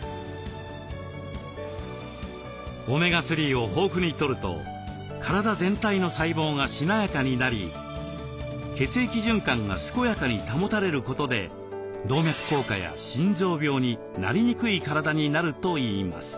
オメガ３を豊富にとると体全体の細胞がしなやかになり血液循環が健やかに保たれることで動脈硬化や心臓病になりにくい体になるといいます。